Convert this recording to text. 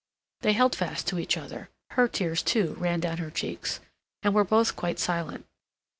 They held fast to each other; her tears, too, ran down her cheeks; and were both quite silent.